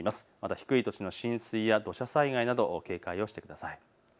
低い土地の浸水や土砂災害など警戒してください。